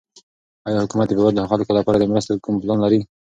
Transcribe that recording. آیا حکومت د بېوزلو خلکو لپاره د مرستو کوم پلان لري؟